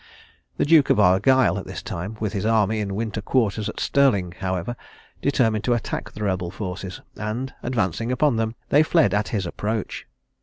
The Duke of Argyle, at this time with his army in winter quarters at Stirling, however, determined to attack the rebel forces, and advancing upon them, they fled at his approach.